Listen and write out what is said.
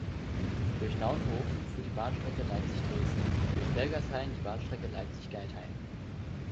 Durch Naunhof führt die Bahnstrecke Leipzig–Dresden, durch Belgershain die Bahnstrecke Leipzig–Geithain.